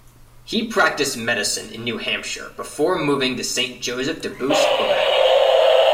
He practiced medicine in New Hampshire before moving to Saint-Joseph-de-Beauce, Quebec.